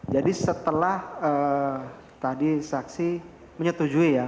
jadi setelah tadi saksi menyetujui ya